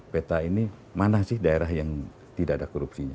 peta ini mana sih daerah yang tidak ada korupsinya